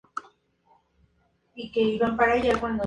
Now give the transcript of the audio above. Anthony Soter Fernandez y el entonces Arzobispo de Singapur Mons.